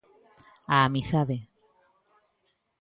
A amizade.